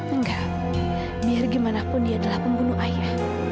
enggak biar gimana pun dia adalah pembunuh ayah